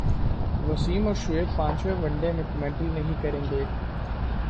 وسیم اور شعیب پانچویں one day میں کمنٹری نہیں کریں گے